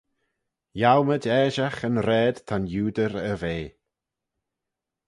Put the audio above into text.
Yiowmayd aashagh yn raad ta'n iudyr er ve.